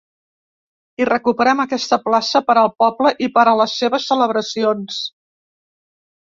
I recuperem aquesta plaça per al poble i per a les seves celebracions.